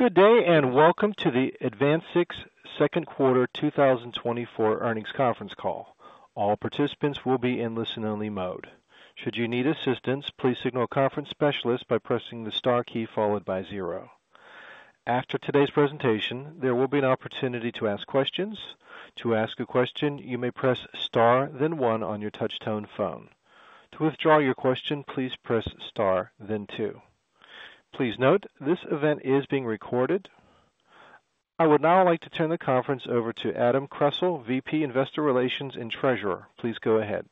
Good day and welcome to the AdvanSix Second Quarter 2024 Earnings Conference Call. All participants will be in listen-only mode. Should you need assistance, please signal a conference specialist by pressing the star key followed by zero. After today's presentation, there will be an opportunity to ask questions. To ask a question, you may press star, then one on your touch-tone phone. To withdraw your question, please press star, then two. Please note this event is being recorded. I would now like to turn the conference over to Adam Kressel, VP Investor Relations and Treasurer. Please go ahead.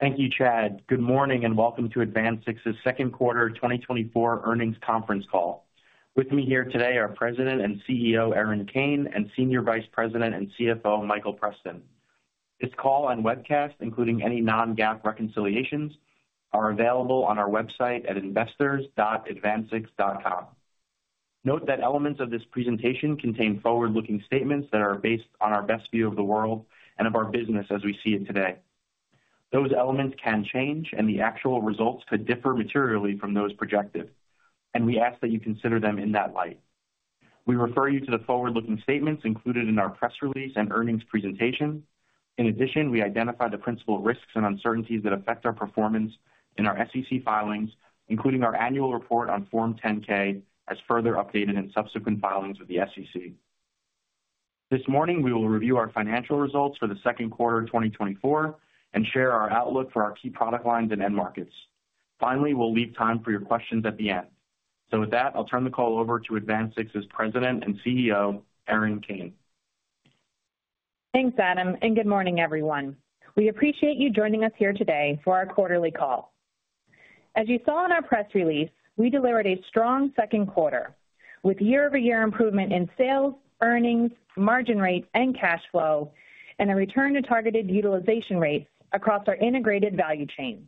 Thank you, Chad. Good morning and welcome to AdvanSix's second quarter 2024 earnings conference call. With me here today are President and CEO Erin Kane and Senior Vice President and CFO Michael Preston. This call and webcast, including any non-GAAP reconciliations, are available on our website at investors.advanSix.com. Note that elements of this presentation contain forward-looking statements that are based on our best view of the world and of our business as we see it today. Those elements can change, and the actual results could differ materially from those projected, and we ask that you consider them in that light. We refer you to the forward-looking statements included in our press release and earnings presentation. In addition, we identify the principal risks and uncertainties that affect our performance in our SEC filings, including our annual report on Form 10-K as further updated in subsequent filings with the SEC. This morning, we will review our financial results for the second quarter 2024 and share our outlook for our key product lines and end markets. Finally, we'll leave time for your questions at the end. So with that, I'll turn the call over to AdvanSix's President and CEO, Erin Kane. Thanks, Adam, and good morning, everyone. We appreciate you joining us here today for our quarterly call. As you saw in our press release, we delivered a strong second quarter with year-over-year improvement in sales, earnings, margin rate, and cash flow, and a return to targeted utilization rates across our integrated value chain.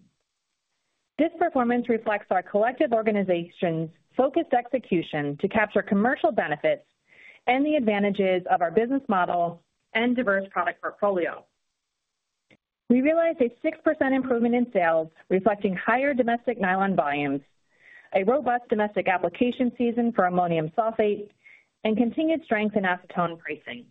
This performance reflects our collective organization's focused execution to capture commercial benefits and the advantages of our business model and diverse product portfolio. We realized a 6% improvement in sales, reflecting higher domestic nylon volumes, a robust domestic application season for ammonium sulfate, and continued strength in acetone pricing.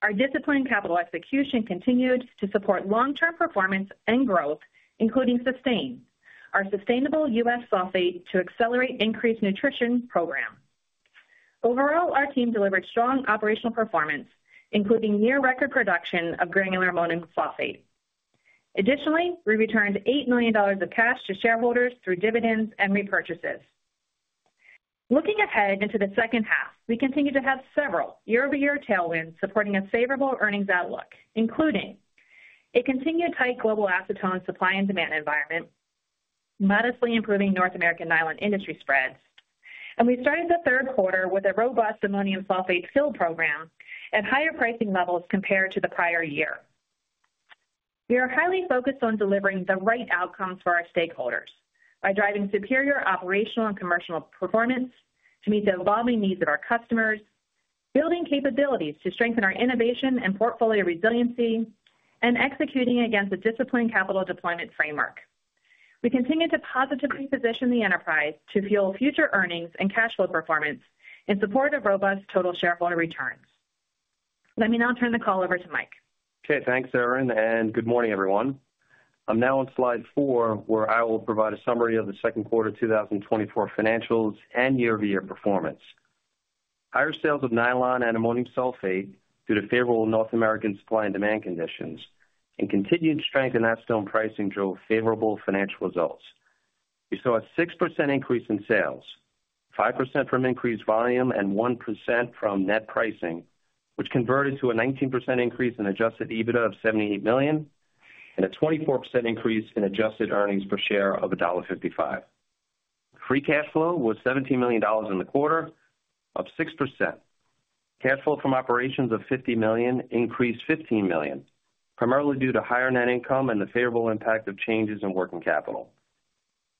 Our disciplined capital execution continued to support long-term performance and growth, including SUSTAIN, our sustainable U.S. sulfate to accelerate increased nutrition program. Overall, our team delivered strong operational performance, including near-record production of granular ammonium sulfate. Additionally, we returned $8 million of cash to shareholders through dividends and repurchases. Looking ahead into the second half, we continue to have several year-over-year tailwinds supporting a favorable earnings outlook, including a continued tight global acetone supply and demand environment, modestly improving North American nylon industry spreads, and we started the third quarter with a robust ammonium sulfate fill program at higher pricing levels compared to the prior year. We are highly focused on delivering the right outcomes for our stakeholders by driving superior operational and commercial performance to meet the evolving needs of our customers, building capabilities to strengthen our innovation and portfolio resiliency, and executing against a disciplined capital deployment framework. We continue to positively position the enterprise to fuel future earnings and cash flow performance in support of robust total shareholder returns. Let me now turn the call over to Mike. Okay, thanks, Erin, and good morning, everyone. I'm now on Slide 4, where I will provide a summary of the second quarter 2024 financials and year-over-year performance. Higher sales of nylon and ammonium sulfate due to favorable North American supply and demand conditions and continued strength in acetone pricing drove favorable financial results. We saw a 6% increase in sales, 5% from increased volume and 1% from net pricing, which converted to a 19% increase in Adjusted EBITDA of $78 million and a 24% increase in Adjusted earnings per share of $1.55. Free cash flow was $17 million in the quarter, up 6%. Cash flow from operations of $50 million increased $15 million, primarily due to higher net income and the favorable impact of changes in working capital.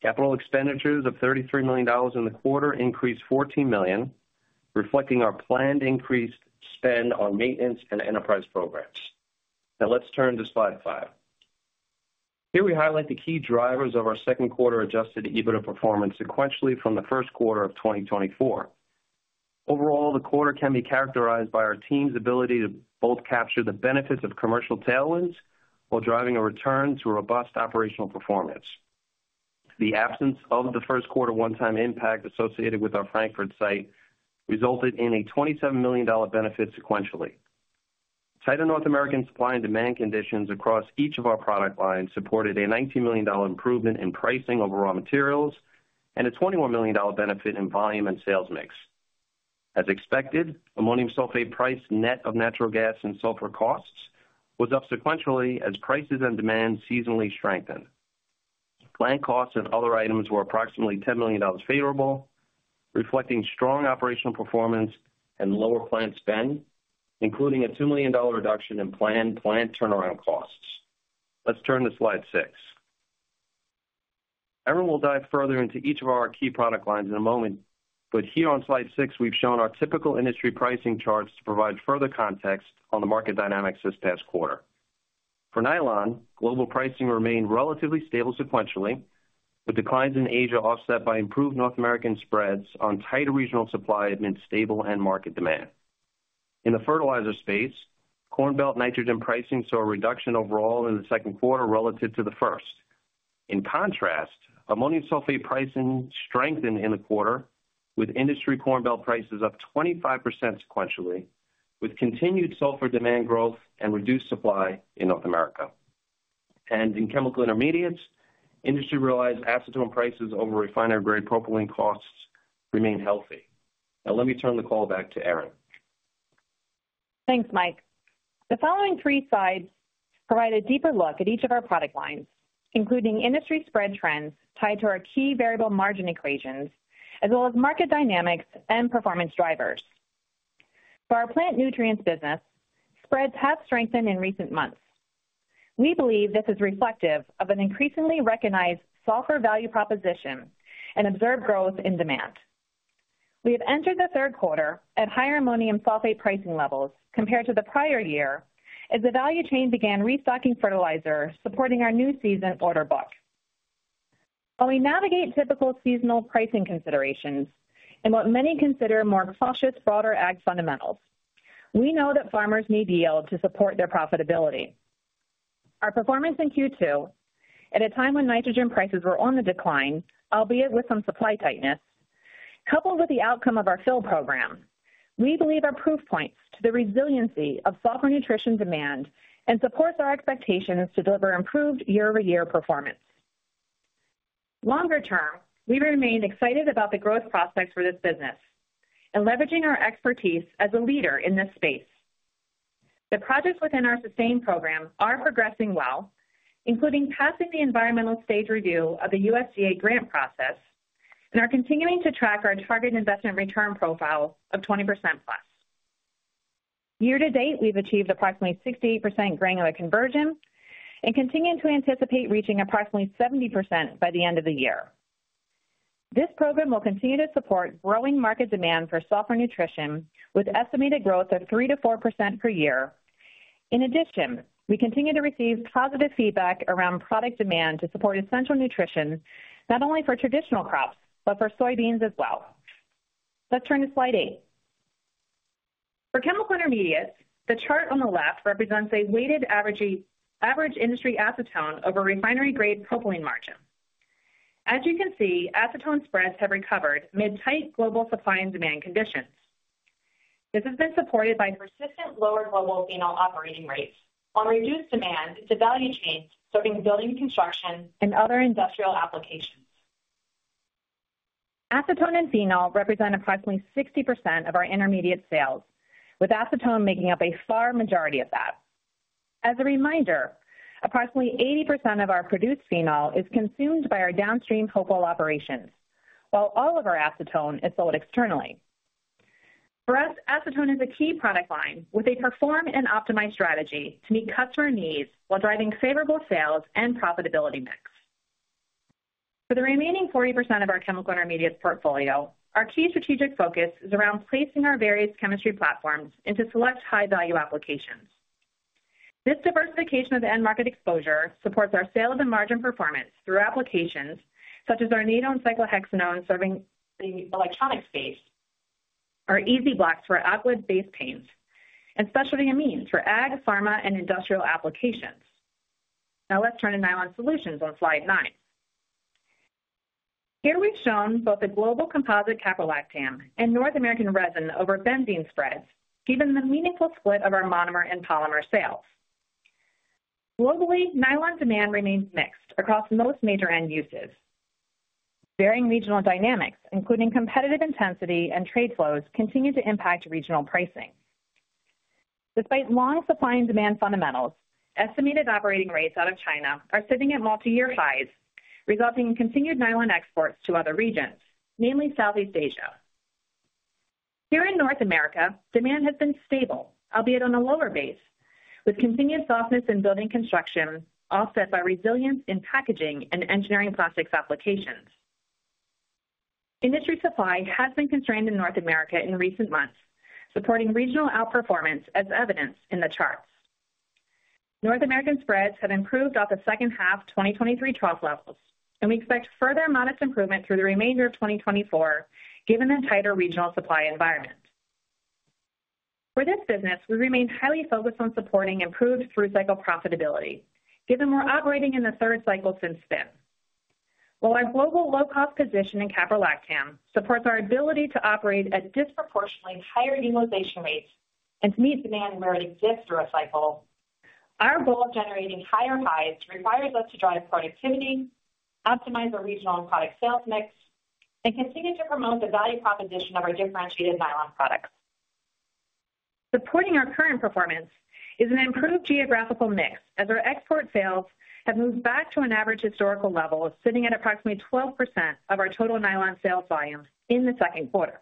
Capital expenditures of $33 million in the quarter increased $14 million, reflecting our planned increased spend on maintenance and enterprise programs. Now let's turn to Slide 5. Here we highlight the key drivers of our second quarter Adjusted EBITDA performance sequentially from the first quarter of 2024. Overall, the quarter can be characterized by our team's ability to both capture the benefits of commercial tailwinds while driving a return to robust operational performance. The absence of the first quarter one-time impact associated with our Frankford site resulted in a $27 million benefit sequentially. Tighter North American supply and demand conditions across each of our product lines supported a $19 million improvement in pricing overall materials and a $21 million benefit in volume and sales mix. As expected, ammonium sulfate price net of natural gas and sulfur costs was up sequentially as prices and demand seasonally strengthened. Plant costs and other items were approximately $10 million favorable, reflecting strong operational performance and lower plant spend, including a $2 million reduction in planned plant turnaround costs. Let's turn to Slide 6. Erin will dive further into each of our key product lines in a moment, but here on Slide 6, we've shown our typical industry pricing charts to provide further context on the market dynamics this past quarter. For nylon, global pricing remained relatively stable sequentially, with declines in Asia offset by improved North American spreads on tighter regional supply amid stable end market demand. In the fertilizer space, Corn Belt nitrogen pricing saw a reduction overall in the second quarter relative to the first. In contrast, ammonium sulfate pricing strengthened in the quarter, with industry Corn Belt prices up 25% sequentially, with continued sulfur demand growth and reduced supply in North America. In chemical intermediates, industry realized acetone prices over refinery-grade propylene costs remained healthy. Now let me turn the call back to Erin. Thanks, Mike. The following three slides provide a deeper look at each of our product lines, including industry spread trends tied to our key variable margin equations, as well as market dynamics and performance drivers. For our plant nutrients business, spreads have strengthened in recent months. We believe this is reflective of an increasingly recognized sulfur value proposition and observed growth in demand. We have entered the third quarter at higher ammonium sulfate pricing levels compared to the prior year as the value chain began restocking fertilizer supporting our new season order book. While we navigate typical seasonal pricing considerations and what many consider more cautious broader ag fundamentals, we know that farmers need yield to support their profitability. Our performance in Q2, at a time when nitrogen prices were on the decline, albeit with some supply tightness, coupled with the outcome of our fill program, we believe are proof points to the resiliency of sulfur nutrition demand and support our expectations to deliver improved year-over-year performance. Longer term, we remain excited about the growth prospects for this business and leveraging our expertise as a leader in this space. The projects within our SUSTAIN program are progressing well, including passing the environmental stage review of the USDA grant process and are continuing to track our target investment return profile of 20%+. Year to date, we've achieved approximately 68% granular conversion and continue to anticipate reaching approximately 70% by the end of the year. This program will continue to support growing market demand for sulfur nutrition with estimated growth of 3%-4% per year. In addition, we continue to receive positive feedback around product demand to support essential nutrition not only for traditional crops, but for soybeans as well. Let's turn to Slide 8. For chemical intermediates, the chart on the left represents a weighted average industry acetone over refinery-grade propylene margin. As you can see, acetone spreads have recovered mid-tight global supply and demand conditions. This has been supported by persistent lower global phenol operating rates on reduced demand to value chains serving building construction and other industrial applications. Acetone and phenol represent approximately 60% of our intermediate sales, with acetone making up a far majority of that. As a reminder, approximately 80% of our produced phenol is consumed by our downstream Hopewell operations, while all of our acetone is sold externally. For us, acetone is a key product line with a perform and optimize strategy to meet customer needs while driving favorable sales and profitability mix. For the remaining 40% of our chemical intermediates portfolio, our key strategic focus is around placing our various chemistry platforms into select high-value applications. This diversification of the end market exposure supports our sales and margin performance through applications such as our Nadone® and cyclohexanone serving the electronics space, our EZ-Blox® for acrylic-based paints, and specialty amines for ag, pharma, and industrial applications. Now let's turn to nylon solutions on Slide 9. Here we've shown both the global composite caprolactam and North American resin over benzene spreads, given the meaningful split of our monomer and polymer sales. Globally, nylon demand remains mixed across most major end uses. Varying regional dynamics, including competitive intensity and trade flows, continue to impact regional pricing. Despite long supply and demand fundamentals, estimated operating rates out of China are sitting at multi-year highs, resulting in continued nylon exports to other regions, namely Southeast Asia. Here in North America, demand has been stable, albeit on a lower base, with continued softness in building construction offset by resilience in packaging and engineering plastics applications. Industry supply has been constrained in North America in recent months, supporting regional outperformance as evidenced in the charts. North American spreads have improved off the second half 2023 trough levels, and we expect further modest improvement through the remainder of 2024, given the tighter regional supply environment. For this business, we remain highly focused on supporting improved through cycle profitability, given we're operating in the third cycle since SDIN. While our global low-cost position in caprolactam supports our ability to operate at disproportionately higher utilization rates and to meet demand where it exists through a cycle, our goal of generating higher highs requires us to drive productivity, optimize our regional and product sales mix, and continue to promote the value proposition of our differentiated nylon products. Supporting our current performance is an improved geographical mix, as our export sales have moved back to an average historical level of sitting at approximately 12% of our total nylon sales volume in the second quarter.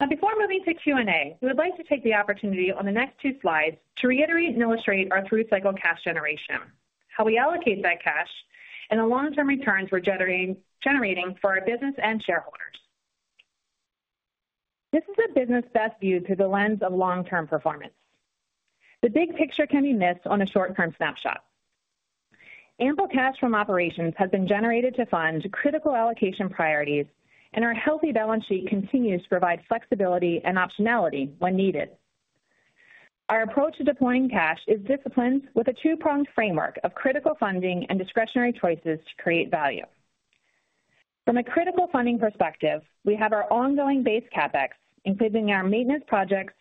Now, before moving to Q&A, we would like to take the opportunity on the next two slides to reiterate and illustrate our through cycle cash generation, how we allocate that cash, and the long-term returns we're generating for our business and shareholders. This is a business best viewed through the lens of long-term performance. The big picture can be missed on a short-term snapshot. Ample cash from operations has been generated to fund critical allocation priorities, and our healthy balance sheet continues to provide flexibility and optionality when needed. Our approach to deploying cash is disciplined with a two-pronged framework of critical funding and discretionary choices to create value. From a critical funding perspective, we have our ongoing base CapEx, including our maintenance projects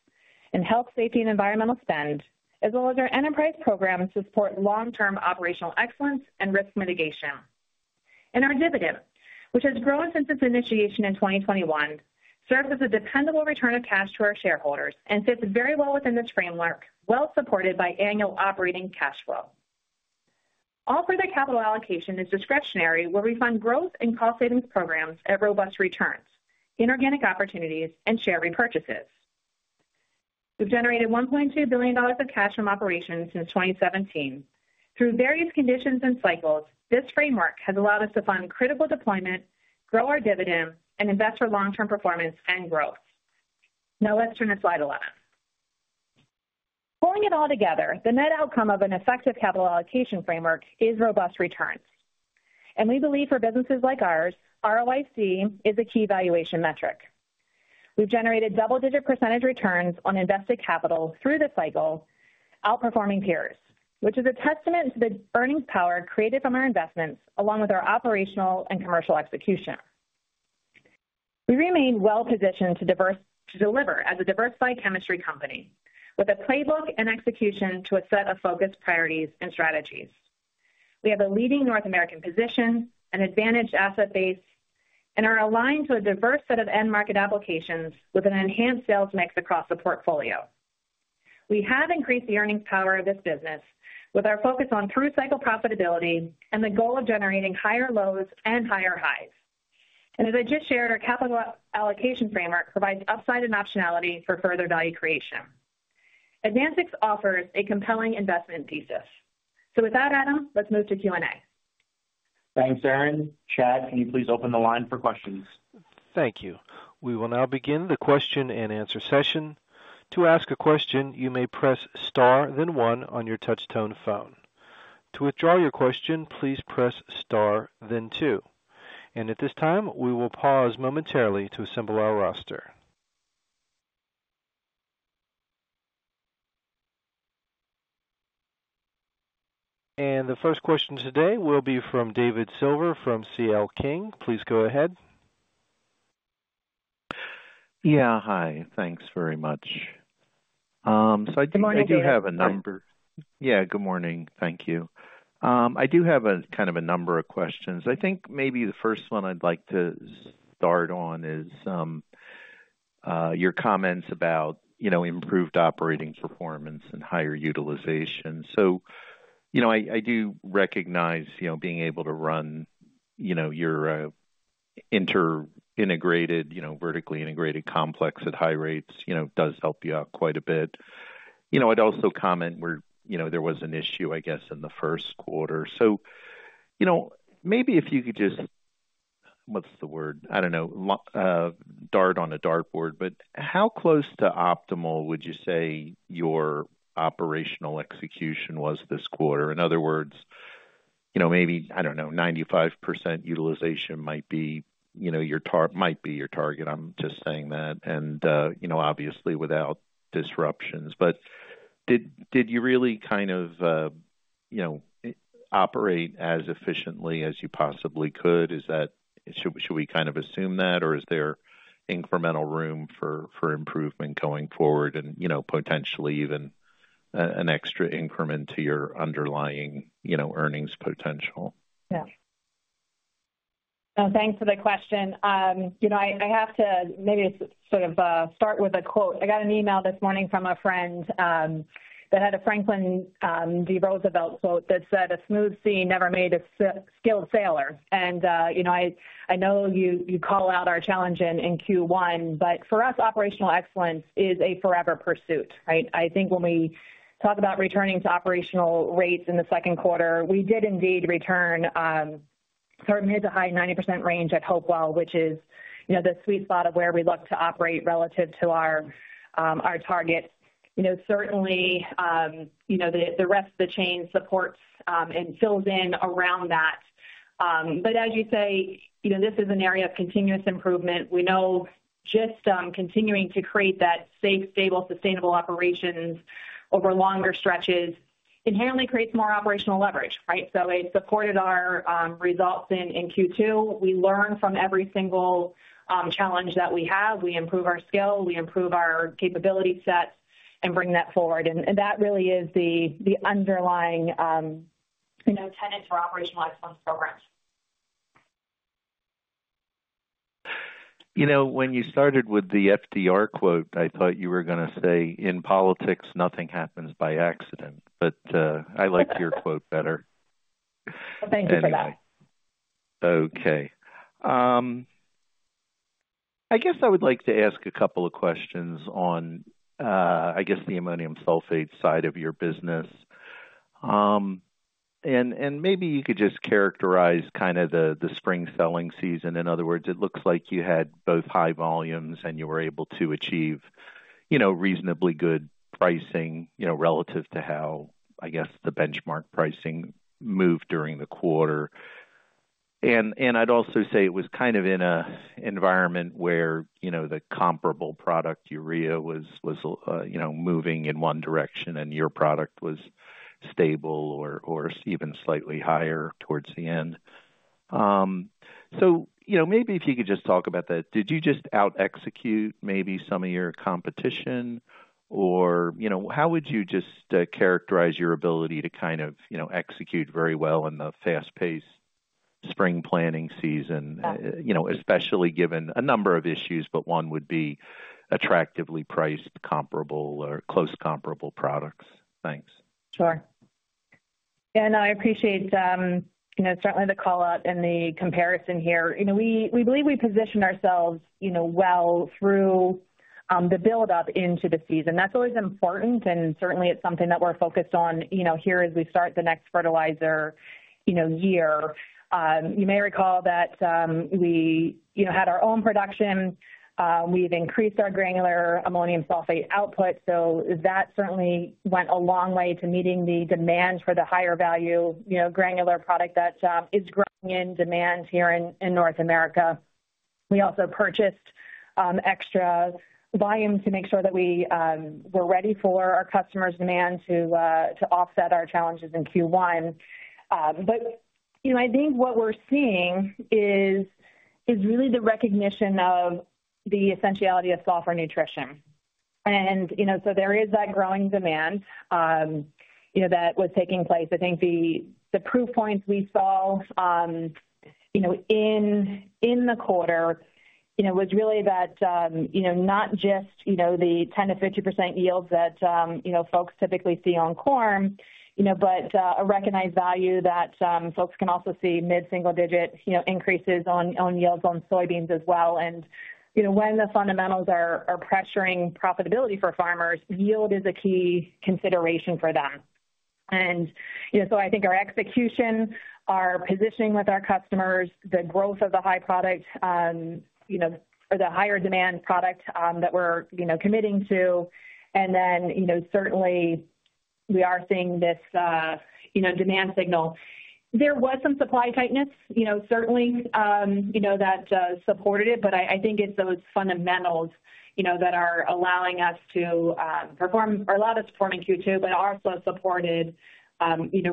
and health, safety, and environmental spend, as well as our enterprise programs to support long-term operational excellence and risk mitigation. Our dividend, which has grown since its initiation in 2021, serves as a dependable return of cash to our shareholders and fits very well within this framework, well supported by annual operating cash flow. All further capital allocation is discretionary, where we find growth in cost-savings programs at robust returns, inorganic opportunities, and share repurchases. We've generated $1.2 billion of cash from operations since 2017. Through various conditions and cycles, this framework has allowed us to fund critical deployment, grow our dividend, and invest for long-term performance and growth. Now let's turn to Slide 11. Pulling it all together, the net outcome of an effective capital allocation framework is robust returns. We believe for businesses like ours, ROIC is a key valuation metric. We've generated double-digit percentage returns on invested capital through the cycle, outperforming peers, which is a testament to the earnings power created from our investments along with our operational and commercial execution. We remain well positioned to deliver as a diversified chemistry company, with a playbook and execution to a set of focused priorities and strategies. We have a leading North American position, an advantaged asset base, and are aligned to a diverse set of end market applications with an enhanced sales mix across the portfolio. We have increased the earnings power of this business with our focus on through cycle profitability and the goal of generating higher lows and higher highs. As I just shared, our capital allocation framework provides upside and optionality for further value creation. AdvanSix offers a compelling investment thesis. With that, Adam, let's move to Q&A. Thanks, Erin. Chad, can you please open the line for questions? Thank you. We will now begin the question and answer session. To ask a question, you may press star, then one on your touchtone phone. To withdraw your question, please press star, then two. At this time, we will pause momentarily to assemble our roster. The first question today will be from David Silver from CL King. Please go ahead. Yeah, hi. Thanks very much. So I do have a number. Good morning. Yeah, good morning. Thank you. I do have a kind of a number of questions. I think maybe the first one I'd like to start on is your comments about improved operating performance and higher utilization. So I do recognize being able to run your inter-integrated, vertically integrated complex at high rates does help you out quite a bit. I'd also comment where there was an issue, I guess, in the first quarter. So maybe if you could just—what's the word? I don't know. Dart on a dart board, but how close to optimal would you say your operational execution was this quarter? In other words, maybe, I don't know, 95% utilization might be your target. I'm just saying that, and obviously without disruptions. But did you really kind of operate as efficiently as you possibly could? Should we kind of assume that, or is there incremental room for improvement going forward and potentially even an extra increment to your underlying earnings potential? Yeah. Thanks for the question. I have to maybe sort of start with a quote. I got an email this morning from a friend that had a Franklin D. Roosevelt quote that said, "A smooth sea never made a skilled sailor." And I know you call out our challenge in Q1, but for us, operational excellence is a forever pursuit, right? I think when we talk about returning to operational rates in the second quarter, we did indeed return sort of mid- to high-90% range at Hopewell, which is the sweet spot of where we look to operate relative to our target. Certainly, the rest of the chain supports and fills in around that. But as you say, this is an area of continuous improvement. We know just continuing to create that safe, stable, sustaiable operations over longer stretches inherently creates more operational leverage, right? It supported our results in Q2. We learn from every single challenge that we have. We improve our skill, we improve our capability sets, and bring that forward. That really is the underlying tenet for operational excellence programs. When you started with the F.D.R. quote, I thought you were going to say, "In politics, nothing happens by accident." But I liked your quote better. Thank you for that. Okay. I guess I would like to ask a couple of questions on, I guess, the ammonium sulfate side of your business. Maybe you could just characterize kind of the spring selling season. In other words, it looks like you had both high volumes and you were able to achieve reasonably good pricing relative to how, I guess, the benchmark pricing moved during the quarter. I'd also say it was kind of in an environment where the comparable product urea was moving in one direction and your product was stable or even slightly higher towards the end. Maybe if you could just talk about that, did you just out-execute maybe some of your competition? Or how would you just characterize your ability to kind of execute very well in the fast-paced spring planning season, especially given a number of issues, but one would be attractively priced, comparable, or close comparable products? Thanks. Sure. Yeah, and I appreciate certainly the call-out and the comparison here. We believe we positioned ourselves well through the build-up into the season. That's always important, and certainly it's something that we're focused on here as we start the next fertilizer year. You may recall that we had our own production. We've increased our granular ammonium sulfate output. So that certainly went a long way to meeting the demand for the higher value granular product that is growing in demand here in North America. We also purchased extra volume to make sure that we were ready for our customers' demand to offset our challenges in Q1. But I think what we're seeing is really the recognition of the essentiality of sulfur nutrition. And so there is that growing demand that was taking place. I think the proof points we saw in the quarter was really that not just the 10%-50% yields that folks typically see on corn, but a recognized value that folks can also see mid-single-digit increases on yields on soybeans as well. When the fundamentals are pressuring profitability for farmers, yield is a key consideration for them. So I think our execution, our positioning with our customers, the growth of the high product or the higher demand product that we're committing to, and then certainly we are seeing this demand signal. There was some supply tightness, certainly, that supported it, but I think it's those fundamentals that are allowing us to perform or allowed us to perform in Q2, but also supported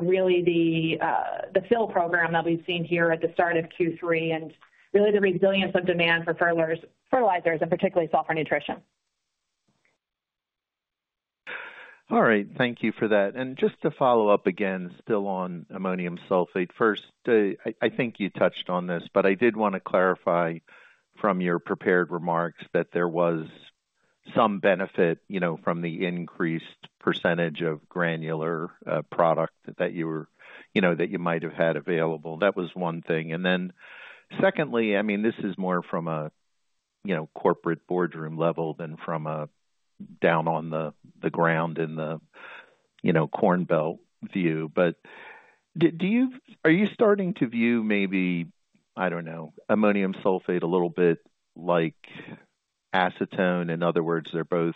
really the SUSTAIN program that we've seen here at the start of Q3 and really the resilience of demand for fertilizers and particularly sulfur nutrition. All right. Thank you for that. And just to follow up again, still on ammonium sulfate. First, I think you touched on this, but I did want to clarify from your prepared remarks that there was some benefit from the increased percentage of granular product that you might have had available. That was one thing. And then secondly, I mean, this is more from a corporate boardroom level than from down on the ground in the Corn Belt view. But are you starting to view maybe, I don't know, ammonium sulfate a little bit like acetone? In other words, they're both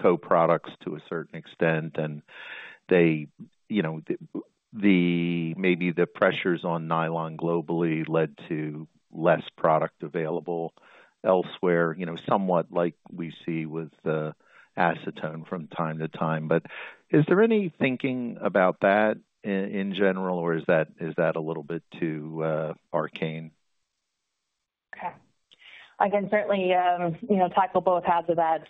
co-products to a certain extent, and maybe the pressures on nylon globally led to less product available elsewhere, somewhat like we see with acetone from time to time. But is there any thinking about that in general, or is that a little bit too arcane? Okay. I can certainly tackle both halves of that.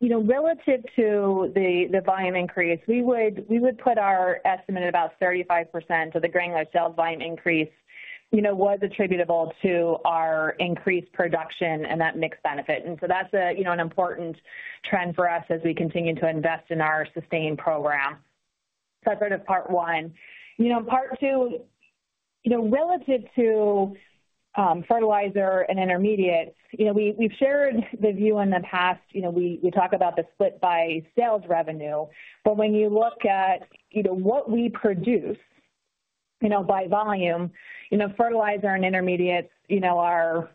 Relative to the volume increase, we would put our estimate at about 35% of the granular sulfate volume increase was attributable to our increased production and that mix benefit. And so that's an important trend for us as we continue to invest in our SUSTAIN program. So that's sort of part one. Part two, relative to fertilizer and intermediates, we've shared the view in the past. We talk about the split by sales revenue. But when you look at what we produce by volume, fertilizer and intermediates are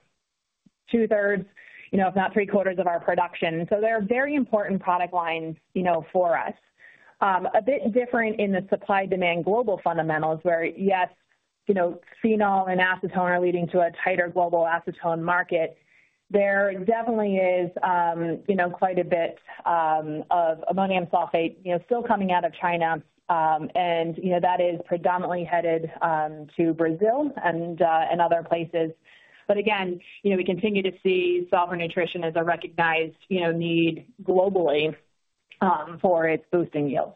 two-thirds, if not three-quarters, of our production. So they're very important product lines for us. A bit different in the supply-demand global fundamentals, where yes, phenol and acetone are leading to a tighter global acetone market. There definitely is quite a bit of ammonium sulfate still coming out of China, and that is predominantly headed to Brazil and other places. But again, we continue to see sulfur nutrition as a recognized need globally for its boosting yields.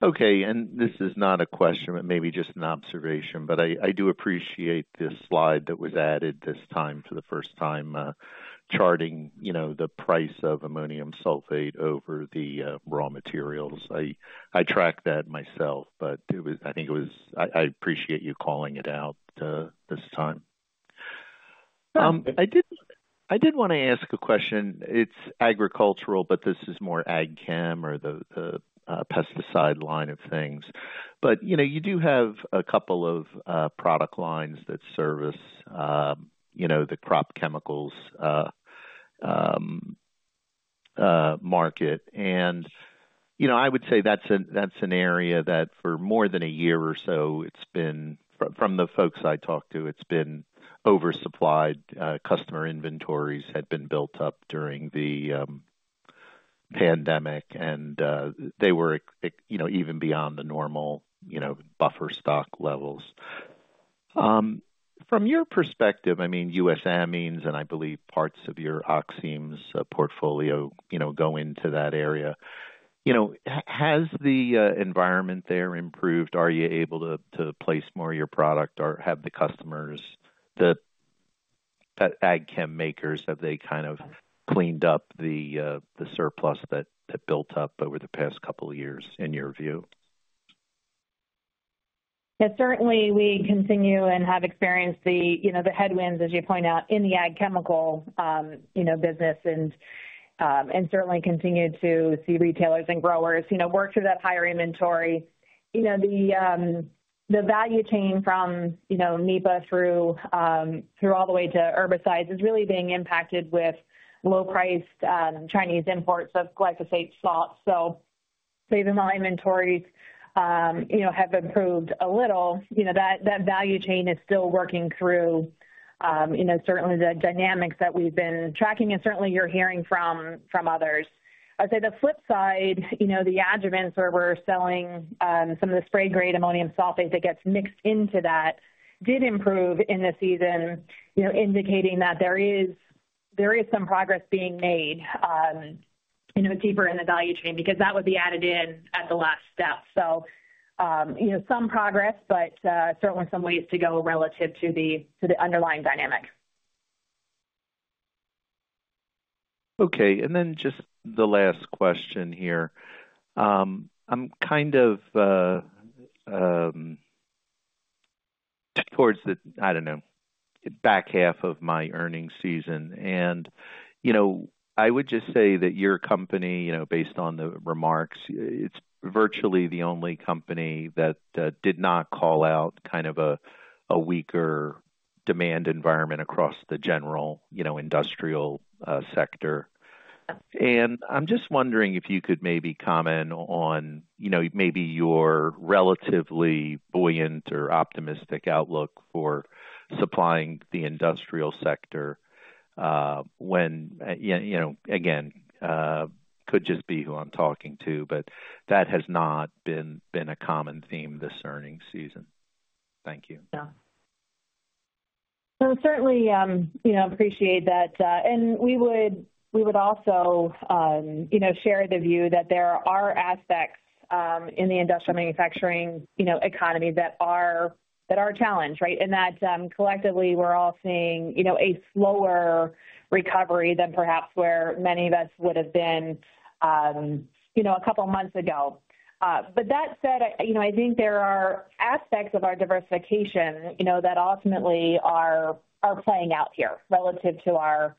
Okay. And this is not a question, but maybe just an observation. But I do appreciate this slide that was added this time for the first time, charting the price of ammonium sulfate over the raw materials. I track that myself, but I think I appreciate you calling it out this time. I did want to ask a question. It's agricultural, but this is more Ag Chem or the pesticide line of things. But you do have a couple of product lines that service the crop chemicals market. And I would say that's an area that for more than a year or so, from the folks I talked to, it's been oversupplied. Customer inventories had been built up during the pandemic, and they were even beyond the normal buffer stock levels. From your perspective, I mean, U.S. Amines, and I believe parts of your oximes portfolio go into that area. Has the environment there improved? Are you able to place more of your product or have the customers, the Ag Chem makers, have they kind of cleaned up the surplus that built up over the past couple of years in your view? Yeah, certainly we continue and have experienced the headwinds, as you point out, in the Ag Chemical business and certainly continue to see retailers and growers work through that higher inventory. The value chain from MIPA through all the way to herbicides is really being impacted with low-priced Chinese imports of glyphosate salts. So even though inventories have improved a little, that value chain is still working through certainly the dynamics that we've been tracking, and certainly you're hearing from others. I'd say the flip side, the adjuvants where we're selling some of the spray-grade ammonium sulfate that gets mixed into that did improve in the season, indicating that there is some progress being made deeper in the value chain because that would be added in at the last step. So some progress, but certainly some ways to go relative to the underlying dynamic. Okay. And then just the last question here. I'm kind of towards the, I don't know, back half of my earnings season. And I would just say that your company, based on the remarks, it's virtually the only company that did not call out kind of a weaker demand environment across the general industrial sector. And I'm just wondering if you could maybe comment on maybe your relatively buoyant or optimistic outlook for supplying the industrial sector when, again, could just be who I'm talking to, but that has not been a common theme this earnings season. Thank you. Yeah. So certainly appreciate that. And we would also share the view that there are aspects in the industrial manufacturing economy that are a challenge, right? And that collectively, we're all seeing a slower recovery than perhaps where many of us would have been a couple of months ago. But that said, I think there are aspects of our diversification that ultimately are playing out here relative to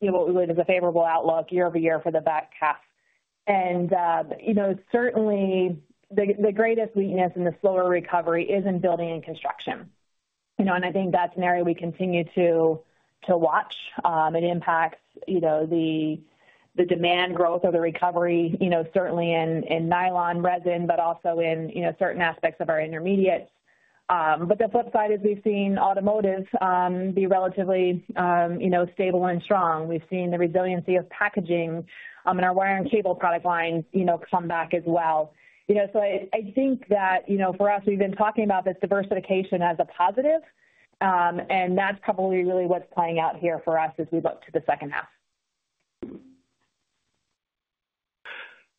what we would have as a favorable outlook year-over-year for the back half. And certainly, the greatest weakness in the slower recovery is in building and construction. And I think that's an area we continue to watch. It impacts the demand growth or the recovery, certainly in nylon, resin, but also in certain aspects of our intermediates. But the flip side is we've seen automotive be relatively stable and strong. We've seen the resiliency of packaging and our wire and cable product line come back as well. So I think that for us, we've been talking about this diversification as a positive, and that's probably really what's playing out here for us as we look to the second half.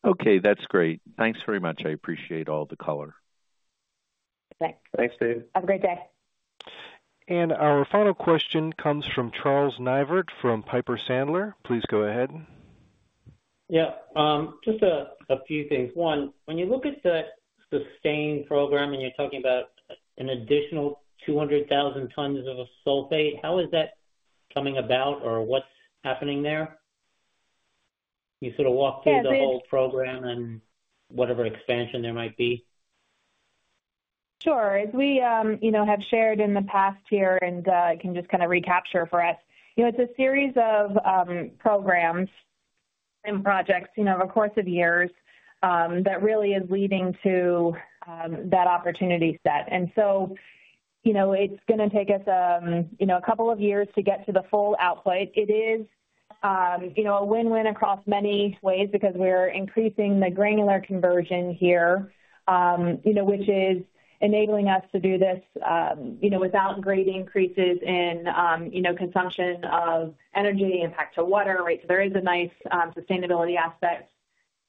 Okay. That's great. Thanks very much. I appreciate all the color. Thanks. Thanks, David. Have a great day. Our final question comes from Charles Neivert from Piper Sandler. Please go ahead. Yeah. Just a few things. One, when you look at the SUSTAIN program and you're talking about an additional 200,000 tons of sulfate, how is that coming about or what's happening there? You sort of walk through the whole program and whatever expansion there might be. Sure. As we have shared in the past here, and I can just kind of recapture for us, it's a series of programs and projects over the course of years that really is leading to that opportunity set. And so it's going to take us a couple of years to get to the full output. It is a win-win across many ways because we're increasing the granular conversion here, which is enabling us to do this without great increases in consumption of energy, impact to water, right? So there is a nice sustainability aspect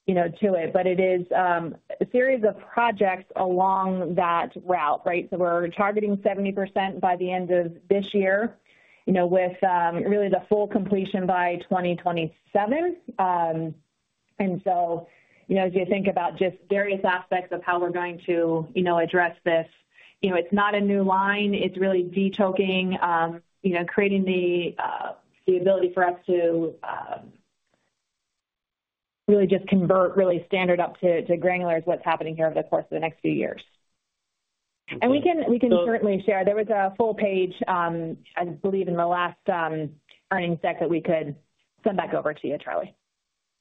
to it, but it is a series of projects along that route, right? So we're targeting 70% by the end of this year with really the full completion by 2027. And so as you think about just various aspects of how we're going to address this, it's not a new line. It's really debottlenecking, creating the ability for us to really just convert really standard up to granular is what's happening here over the course of the next few years. And we can certainly share. There was a full page, I believe, in the last earnings deck that we could send back over to you, Charlie.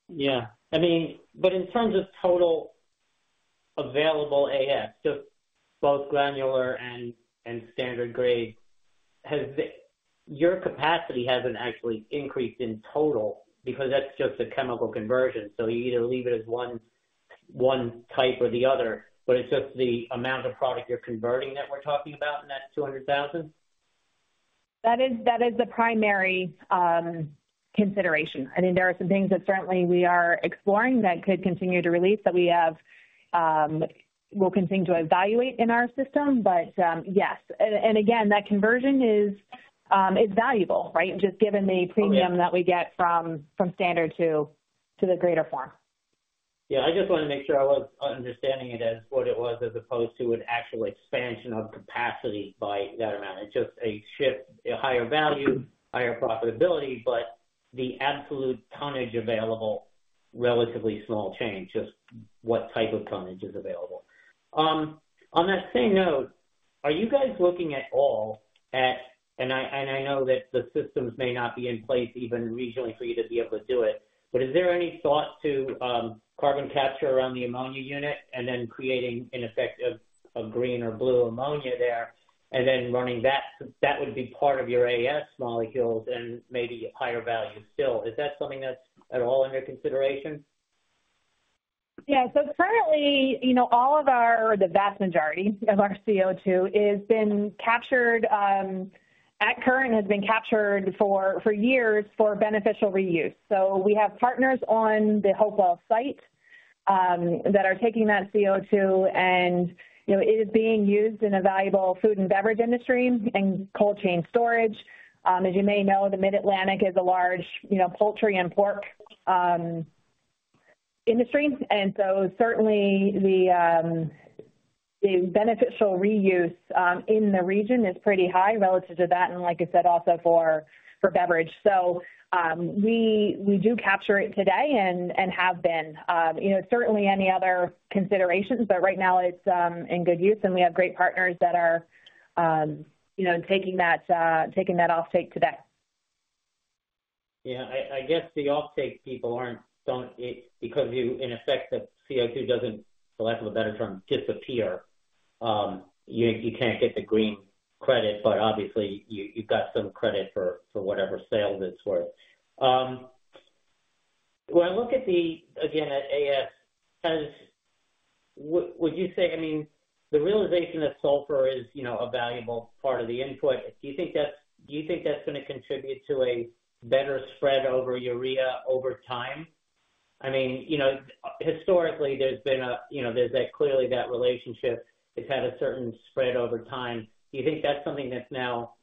Yeah. I mean, but in terms of total available AF, just both granular and standard grade, your capacity hasn't actually increased in total because that's just a chemical conversion. So you either leave it as one type or the other, but it's just the amount of product you're converting that we're talking about, and that's 200,000? That is the primary consideration. I mean, there are some things that certainly we are exploring that could continue to release that we will continue to evaluate in our system, but yes. And again, that conversion is valuable, right? Just given the premium that we get from standard to the greater form. Yeah. I just wanted to make sure I was understanding it as what it was as opposed to an actual expansion of capacity by that amount. It's just a shift, a higher value, higher profitability, but the absolute tonnage available, relatively small change, just what type of tonnage is available. On that same note, are you guys looking at all at, and I know that the systems may not be in place even regionally for you to be able to do it, but is there any thought to carbon capture around the ammonia unit and then creating an effect of green or blue ammonia there and then running that? That would be part of your AF molecules and maybe higher value still. Is that something that's at all under consideration? Yeah. So currently, all of our, or the vast majority of our CO2 has been captured, has been captured for years for beneficial reuse. So we have partners on the Hopewell site that are taking that CO2, and it is being used in a valuable food and beverage industry and cold chain storage. As you may know, the Mid-Atlantic is a large poultry and pork industry. And so certainly, the beneficial reuse in the region is pretty high relative to that, and like I said, also for beverage. So we do capture it today and have been. Certainly, any other considerations, but right now it's in good use, and we have great partners that are taking that off-take today. Yeah. I guess the offtake people aren't because in effect, the CO2 doesn't, for lack of a better term, disappear. You can't get the green credit, but obviously, you've got some credit for whatever sales it's worth. When I look at the, again, at AF, would you say, I mean, the realization that sulfur is a valuable part of the input, do you think that's going to contribute to a better spread over urea over time? I mean, historically, there's been a, there's clearly that relationship. It's had a certain spread over time. Do you think that's something that's now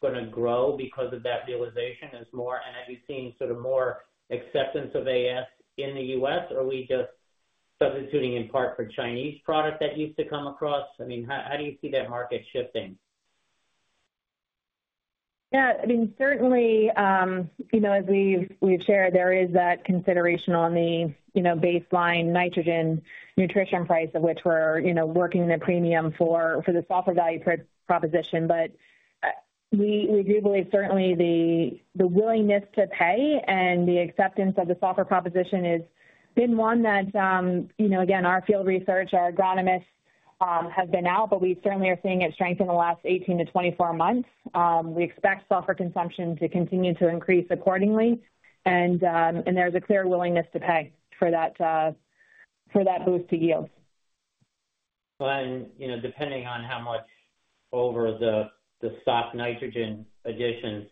going to grow because of that realization as more? And have you seen sort of more acceptance of AF in the U.S., or are we just substituting in part for Chinese product that used to come across? I mean, how do you see that market shifting? Yeah. I mean, certainly, as we've shared, there is that consideration on the baseline nitrogen nutrition price of which we're working the premium for the software value proposition. But we do believe certainly the willingness to pay and the acceptance of the software proposition has been one that, again, our field research, our agronomists have been out, but we certainly are seeing it strengthen the last 18-24 months. We expect software consumption to continue to increase accordingly, and there's a clear willingness to pay for that boost to yields. So then depending on how much over the stock nitrogen additions,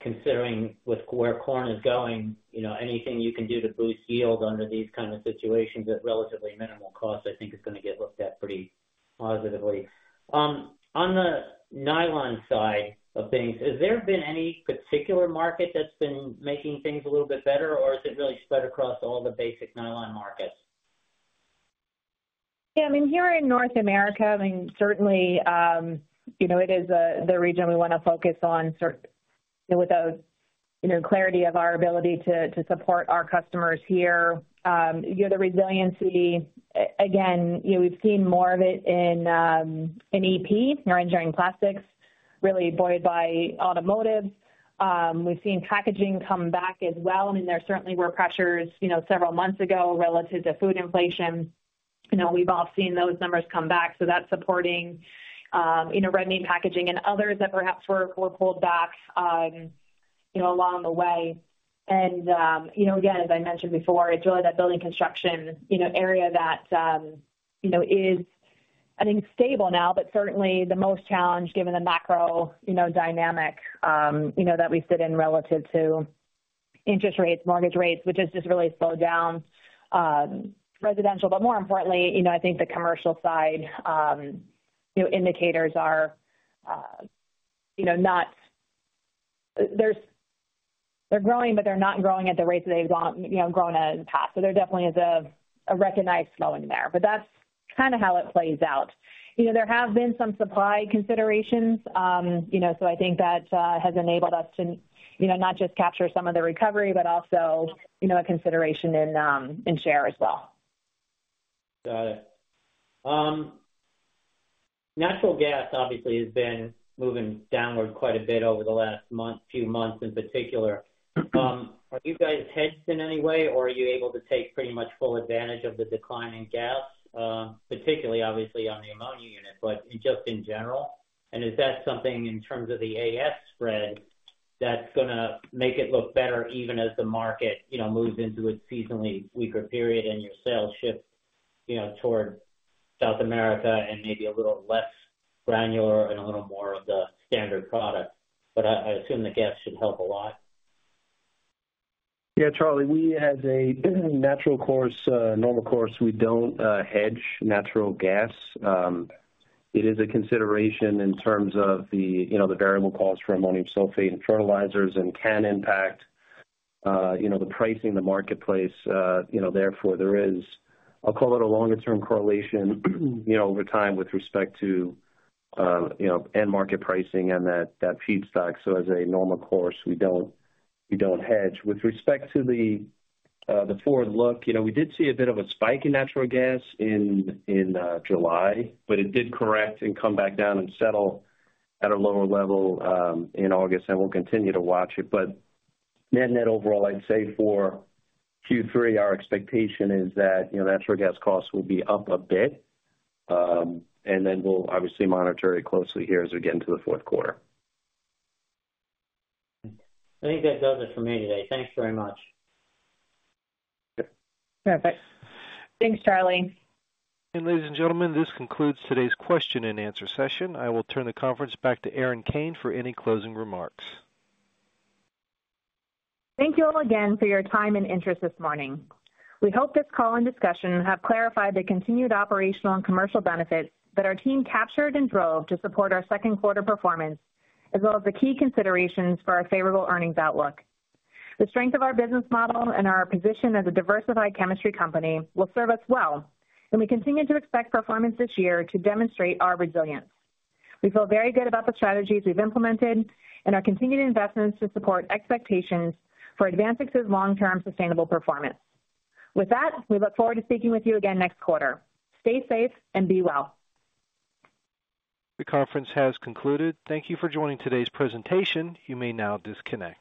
considering where corn is going, anything you can do to boost yield under these kinds of situations at relatively minimal cost, I think it's going to get looked at pretty positively. On the nylon side of things, has there been any particular market that's been making things a little bit better, or is it really spread across all the basic nylon markets? Yeah. I mean, here in North America, I mean, certainly, it is the region we want to focus on with the clarity of our ability to support our customers here. The resiliency, again, we've seen more of it in EP, or engineering plastics, really buoyed by automotive. We've seen packaging come back as well. I mean, there certainly were pressures several months ago relative to food inflation. We've all seen those numbers come back. So that's supporting red meat packaging and others that perhaps were pulled back along the way. And again, as I mentioned before, it's really that building construction area that is, I think, stable now, but certainly the most challenged given the macro dynamic that we sit in relative to interest rates, mortgage rates, which has just really slowed down residential. But more importantly, I think the commercial side indicators are not, they're growing, but they're not growing at the rate that they've grown in the past. So there definitely is a recognized slowing there, but that's kind of how it plays out. There have been some supply considerations. So I think that has enabled us to not just capture some of the recovery, but also a consideration in share as well. Got it. Natural gas, obviously, has been moving downward quite a bit over the last few months in particular. Are you guys hedged in any way, or are you able to take pretty much full advantage of the decline in gas, particularly, obviously, on the ammonia unit, but just in general? And is that something in terms of the AF spread that's going to make it look better even as the market moves into a seasonally weaker period and your sales shift toward South America and maybe a little less granular and a little more of the standard product? But I assume the gas should help a lot. Yeah. Charlie, we, as a natural course, normal course, we don't hedge natural gas. It is a consideration in terms of the variable cost for ammonium sulfate and fertilizers and can impact the pricing, the marketplace. Therefore, there is, I'll call it a longer-term correlation over time with respect to end market pricing and that feedstock. So as a normal course, we don't hedge. With respect to the forward look, we did see a bit of a spike in natural gas in July, but it did correct and come back down and settle at a lower level in August, and we'll continue to watch it. But net-net overall, I'd say for Q3, our expectation is that natural gas costs will be up a bit, and then we'll obviously monitor it closely here as we get into the fourth quarter. I think that does it for me today. Thanks very much. Perfect. Thanks, Charlie. Ladies and gentlemen, this concludes today's question and answer session. I will turn the conference back to Erin Kane for any closing remarks. Thank you all again for your time and interest this morning. We hope this call and discussion have clarified the continued operational and commercial benefits that our team captured and drove to support our second quarter performance, as well as the key considerations for our favorable earnings outlook. The strength of our business model and our position as a diversified chemistry company will serve us well, and we continue to expect performance this year to demonstrate our resilience. We feel very good about the strategies we've implemented and our continued investments to support expectations for AdvanSix's long-term sustainable performance. With that, we look forward to speaking with you again next quarter. Stay safe and be well. The conference has concluded. Thank you for joining today's presentation. You may now disconnect.